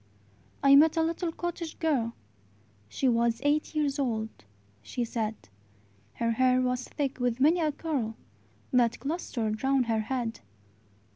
I met a little cottage girl: She was eight years old, she said; Her hair was thick with many a curl That clustered round her head.